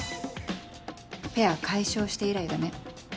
ペア解消して以来だね。